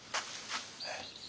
えっ？